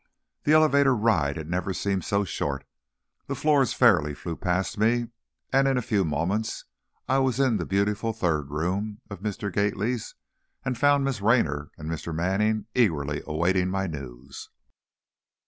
The elevator ride had never seemed so short, the floors fairly flew past me, and in a few moments I was in the beautiful third room of Mr. Gately's, and found Miss Raynor and Mr. Manning eagerly awaiting my news.